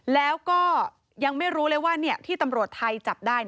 แล้วก็ยังไม่รู้เลยว่าที่ตำรวจไทยจับได้